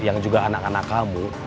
yang juga anak anak kamu